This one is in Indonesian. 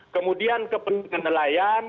kemudian kepentingan nelayan